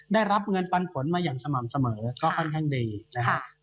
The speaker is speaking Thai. ได้รับเงินปันผลมาอย่างสม่ำเสมอก็ค่อนข้างดีนะครับ